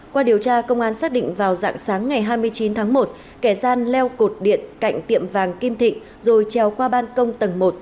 qua điều tra công an xác định vào dạng sáng ngày hai mươi chín tháng một kẻ gian leo cột điện cạnh tiệm vàng kim thị rồi treo qua ban công tầng một